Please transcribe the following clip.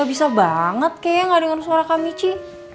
gak bisa banget kaya gak denger suara kak mici